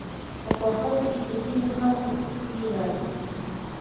په خوښيو کې د ځينو خلکو اوښکې راځي.